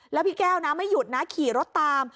แล้วพี่แก้วนะไม่หยุดนะขี่รถตาม